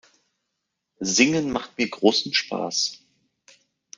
Singen macht mir großen Spaß.